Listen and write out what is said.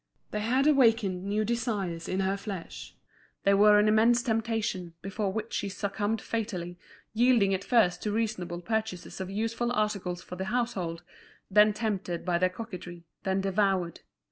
They had awakened new desires in her flesh: they were an immense temptation, before which she succumbed fatally, yielding at first to reasonable purchases of useful articles for the household, then tempted by their coquetry, then devoured.